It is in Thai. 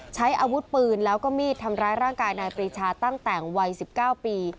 ใช้อาวุธปืนแล้วก็มีดทำร้ายร่างกายนายปรีชาตั้งแต่วัย๑๙ปี